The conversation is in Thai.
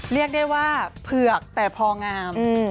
เรียกได้ว่าเผือกแต่พองาม